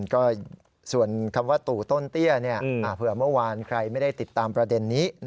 ก็ส่วนคำว่าตู่ต้นเตี้ยเผื่อเมื่อวานใครไม่ได้ติดตามประเด็นนี้